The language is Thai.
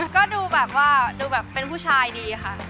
ก็ดูแบบว่าดูแบบเป็นผู้ชายดีค่ะ